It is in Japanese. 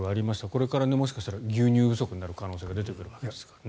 これからもしかしたら牛乳不足になる可能性も出てくるわけですね。